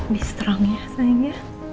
berjaya ya sayang ya